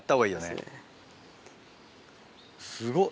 すごっ。